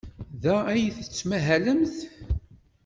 Da ay tettmahalemt?